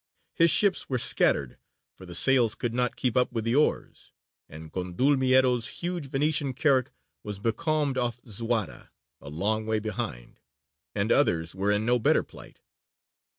His ships were scattered, for the sails could not keep up with the oars, and Condulmiero's huge Venetian carack was becalmed off Zuara, a long way behind, and others were in no better plight.